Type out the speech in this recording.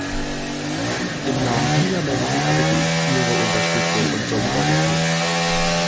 Im Namen dieser Menschen erbitte ich Ihre Unterstützung und Solidarität.